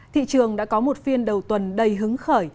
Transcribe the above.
thị trường đã có một phiên đầu tuần đầy hứng khởi